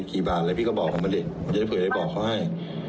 กี่บาทอะไรพี่ก็บอกเขามาดิจะได้เผยได้บอกเขาให้